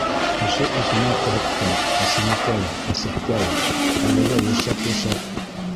Кеше утына ҡыҙыҡтым, Әсинәкәй, әсекәй, Әлегә йәшәп-йәшәп.